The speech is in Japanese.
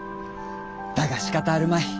だがしかたあるまい。